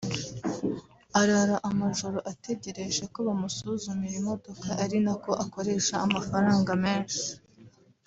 arara amajoro ategereje ko bamusuzumira imodoka ari nako akoresha amafaranga menshi